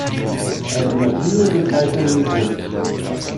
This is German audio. Alternative Bezeichnungen sind